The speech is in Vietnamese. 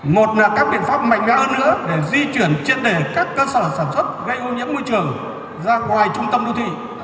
một là các biện pháp mạnh mẽ hơn nữa để di chuyển trên đề các cơ sở sản xuất gây ô nhiễm môi trường ra ngoài trung tâm đô thị